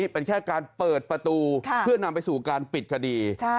เป็นแค่การเปิดประตูเพื่อนำไปสู่การปิดคดี